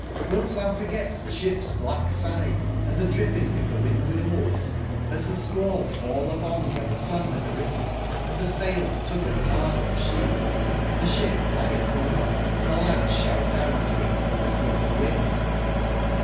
Qlilt tbou forget tbe sbip's black side, and tbedrippingof tbewindwardoars, as tbe squall fal letb on wben tbe sun batb arisen, & tbe sail tuggetb bard on tbe sbeet, and tbe sbip lietb over and tbe lads sboutagainst tbewbistleof tbewind?